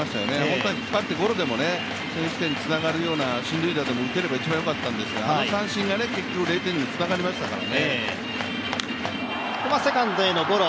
本当は引っ張って、ゴロでも先取点につながるような進塁打でも打てれば一番よかったんですが、あの三振が結局０点につながりましたから。